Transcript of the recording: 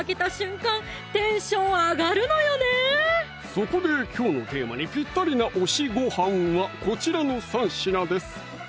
そこできょうのテーマにぴったりな推しごはんはこちらの３品です